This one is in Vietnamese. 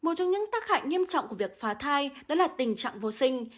một trong những tác hại nghiêm trọng của việc phá thai đó là tình trạng vô sinh